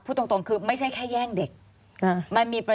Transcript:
ควิทยาลัยเชียร์สวัสดีครับ